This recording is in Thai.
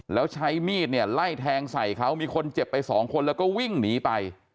แล้วใช้มีดเนี่ยไล่แทงใส่เขามีคนเจ็บไปสองคนแล้วก็วิ่งหนีไป